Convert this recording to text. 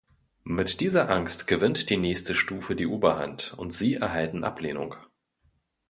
Mit dieser Angst gewinnt die nächste Stufe die Oberhand, und Sie erhalten Ablehnung.